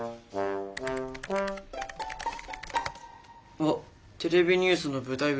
あっ「テレビニュースの舞台裏」。